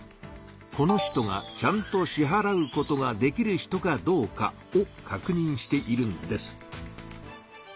「この人がちゃんと支払うことができる人かどうか」をかくにんしているんです。